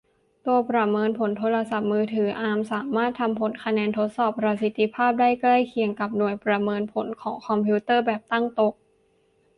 ตัวประเมินผลโทรศัพท์มือถือ อาร์ม สามารถทำผลคะแนนสอบประสิทธิ์ภาพ ได้ใกล้เคียงกับ หน่วยประเมินผลของคอมพิวเตอร์แบบตั้งโต๊ะ